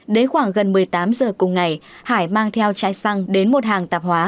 đến khoảng gần một mươi tám giờ cùng ngày hải mang theo chai xăng đến một hàng tạp hóa